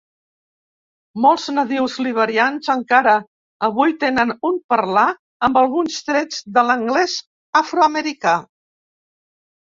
Molts nadius liberians encara avui tenen un parlar amb alguns trets de l'anglès afroamericà.